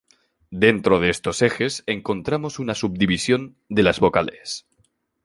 Dentro de estos ejes encontramos una subdivisión de las vocales.